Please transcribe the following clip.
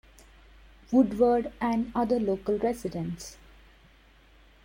Woodward, and other local residents.